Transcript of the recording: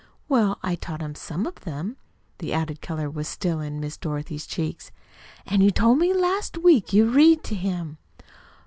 "Well, I taught him some of them." The added color was still in Miss Dorothy's cheeks. "An' you told me last week you read to him."